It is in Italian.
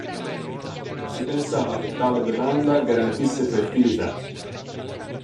Si pensava che tale bevanda garantisse fertilità.